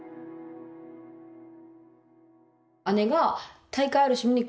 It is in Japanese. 姉が「大会あるし見に来る？」